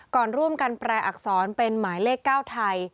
ก่อนร่วมกันแปลอักษรเป็นหมายเลข๙ไทย